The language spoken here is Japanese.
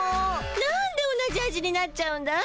なんで同じ味になっちゃうんだい？